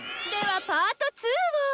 ではパート２を。